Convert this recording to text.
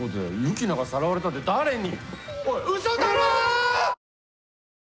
ユキナがさらわれたって誰に！？